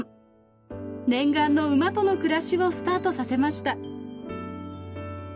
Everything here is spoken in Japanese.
念願の馬との暮らしをスタートさせました。